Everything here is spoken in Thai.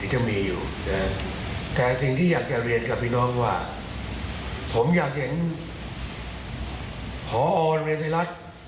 หออโรงเรียนครูจะเป็นแบบนั้นแหละ